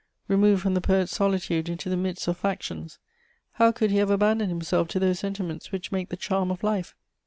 Removed from the poet's solitude into the midst of factions, how could he have abandoned himself to those sentiments which make the charm of life?